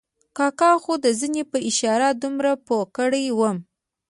کاکا خو د زنې په اشاره دومره پوه کړی وم.